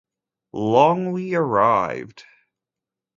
Longwy arrived.